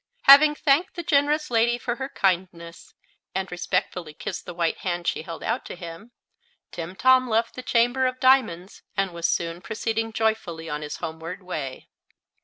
Having thanked the generous lady for her kindness and respectfully kissed the white hand she held out to him, Timtom left the Chamber of Diamonds and was soon proceeding joyfully on his homeward way.